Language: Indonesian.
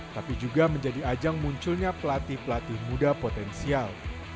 tapi juga menjadi ajang munculnya pelatih pelatih muda potensial